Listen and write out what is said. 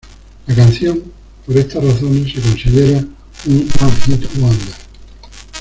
La canción, por estas razones, se considera un one-hit wonder.